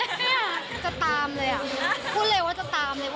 จะตามเลยพูดเลยว่าจะตามเลย